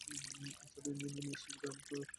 এছাড়াও ইউনিয়নের জন নিজস্ব গ্রাম পুলিশ রয়েছে।